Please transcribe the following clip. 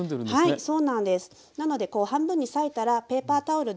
はい。